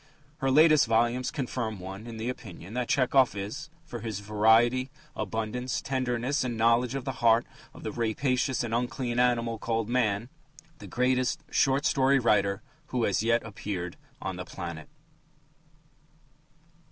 Her latest volumes confirm one in the opinion that Tchehov is, for his variety, abundance, tenderness and knowledge of the heart of the "rapacious and unclean animal" called man, the greatest short story writer who has yet appeared on the planet.